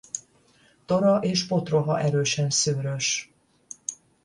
Tora és potroha erősen szőrös.